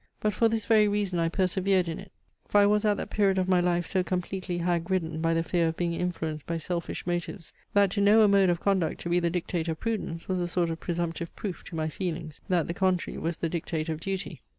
But for this very reason I persevered in it; for I was at that period of my life so completely hag ridden by the fear of being influenced by selfish motives, that to know a mode of conduct to be the dictate of prudence was a sort of presumptive proof to my feelings, that the contrary was the dictate of duty.